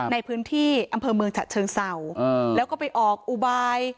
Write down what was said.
ในพื้นที่อำเภอเมืองฉะเชิงเศร้าแล้วก็ไปออกอุบาย